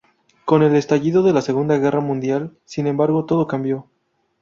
Con el estallido de la Segunda Guerra Mundial, sin embargo, todo cambió.